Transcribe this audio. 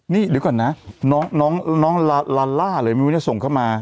นี่ดูก่อนนะน้องลาเลยมีวิวเนี่ยส่งเข้ามา